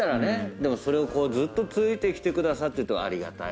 でもそれをずっと付いてきてくださってありがたい。